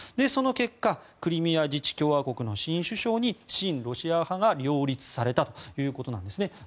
その結果クリミア自治共和国の新首相に親ロシア派が擁立されたということなんですね。